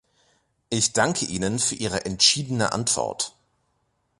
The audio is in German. Ich danke Ihnen für Ihre entschiedene Antwort.